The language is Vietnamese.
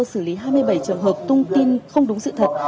xử lý hai mươi bảy trường hợp tung tin không đúng sự thật